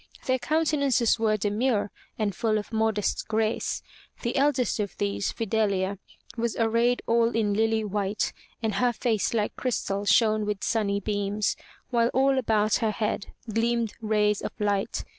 Their countenances were demure and full of modest grace. The eldest of these, Fidelia, was arrayed all in lily white, and her face like crystal shone with sunny beams, while all about her head gleamed rays of light.